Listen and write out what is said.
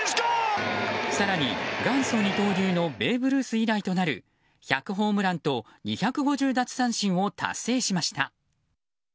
更に元祖二刀流のベーブ・ルース以来となる１００ホームランと２５０奪三振を達成しました。